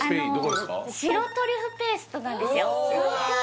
白トリュフペーストなんですよは